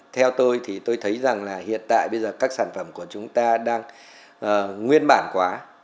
theo tôi tôi thấy rằng hiện tại các sản phẩm của chúng ta đang nguyên bản quá